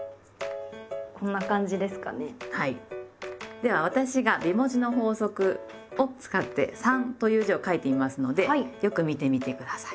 では私が美文字の法則を使って「三」という字を書いてみますのでよく見てみて下さい。